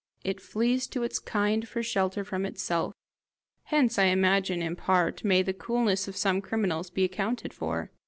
It flees to its kind for shelter from itself. Hence, I imagine, in part, may the coolness of some criminals be accounted for.